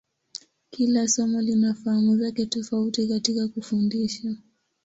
Kila somo lina fahamu zake tofauti katika kufundisha.